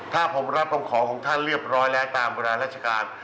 ถ้าผมรับคำขอของท่านเรียบร้อยแล้วตามเวลาราชการ